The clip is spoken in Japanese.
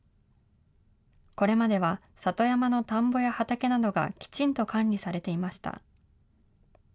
これまでは里山の田んぼや畑などがきちんと管理されていました。